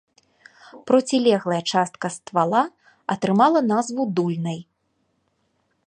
Процілеглая частка ствала атрымала назву дульнай.